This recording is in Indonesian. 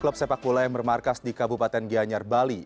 klub sepak bola yang bermarkas di kabupaten gianyar bali